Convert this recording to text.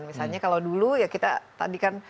misalnya kalau dulu ya kita tadi kan